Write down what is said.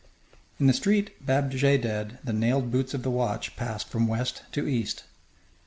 In the street Bab Djedid the nailed boots of the watch passed from west to east.